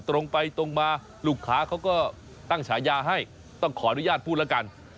ตรงไปตรงมาลูกค้าเขาก็ตั้งฉายาให้ต้องขออนุญาตพูดแล้วกัน